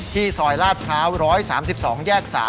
ซอยลาดพร้าว๑๓๒แยก๓